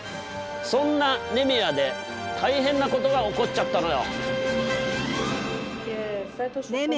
そんなネメアで大変なことが起こっちゃったのよ。